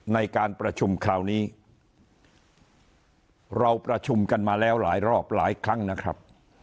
ในการประชุมคราวนี้เราประชุมกันมาแล้วหลายรอบหลายครั้งนะครับ